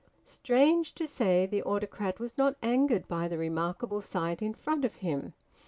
Strange to say, the autocrat was not angered by the remarkable sight in front of him.